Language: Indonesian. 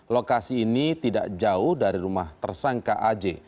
lokasi ini tidak jauh dari rumah tersangka aj